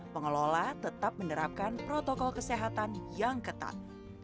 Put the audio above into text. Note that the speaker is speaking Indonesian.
pengelola tetap menerapkan protokol kesehatan yang ketat